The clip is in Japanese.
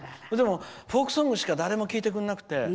でもフォークソングしか誰も聴いてくれなくて。